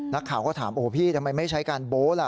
นักข่าวก็ถามโอ้โหพี่ทำไมไม่ใช้การโบ๊ะล่ะ